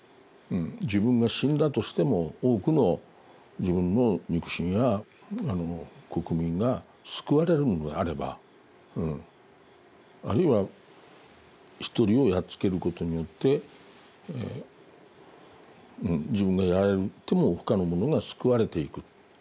自分が死んだとしても多くの自分の肉親や国民が救われるのであればあるいは一人をやっつけることによって自分がやられても他のものが救われていく。